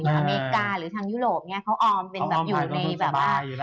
อเมริกาหรือทางยุโรปเนี่ยเขาออมเป็นแบบอยู่ในแบบว่า